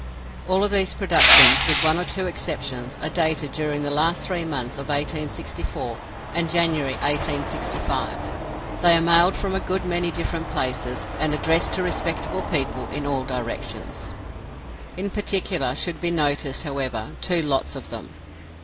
All these productions, with one or two exceptions, are dated during the last three months of 1864, and January 1865. They are mailed from a good many different places, and addressed to respectable people in all directions. In particular, should be noticed, however, two lots of them.